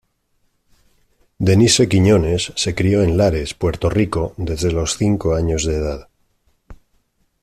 Denise Quiñones se crió en Lares, Puerto Rico desde los cinco años de edad.